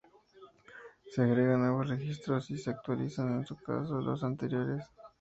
Se agregan nuevos registros y se actualizan en su caso los anteriores.